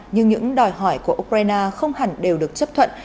nhưng những đòi hỏi của ukraine không hẳn đều được chấp thuận